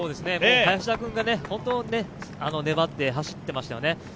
林田君が本当に粘って走っていましたよね。